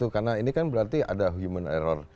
karena ini kan berarti ada human error